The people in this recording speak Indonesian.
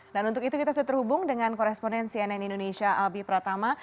dan untuk itu kita sudah terhubung dengan koresponen cnn indonesia albi pratama